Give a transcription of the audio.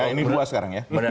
ini dua sekarang ya